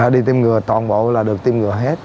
đi tiêm ngừa toàn bộ là được tiêm ngừa hết